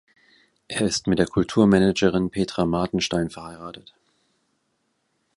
Er ist mit der Kulturmanagerin Petra Martenstein verheiratet.